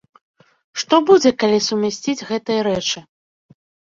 Што будзе, калі сумясціць гэтыя рэчы?